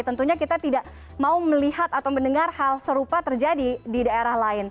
tentunya kita tidak mau melihat atau mendengar hal serupa terjadi di daerah lain